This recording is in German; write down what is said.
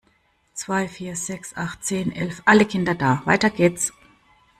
Zwei, Vier, Sechs, Acht, Zehn, Elf, alle Kinder da! Weiter geht's.